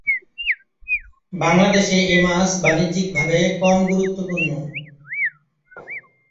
বাংলাদেশে এ মাছ বাণিজ্যিকভাবে কম গুরুত্বপূর্ণ।